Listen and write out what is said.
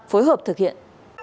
phối hợp thực hiện